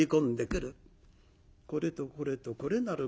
「これとこれとこれなる